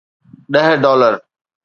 ڏهه ڊالر.